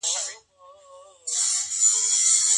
د شقاوت او نشوز په وخت کي وقايوي تدابير مهم دي.